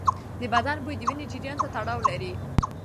د بدن بوی د وینې جریان ته تړاو لري.